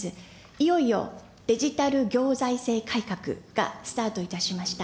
いよいよデジタル行財政改革がスタートいたしました。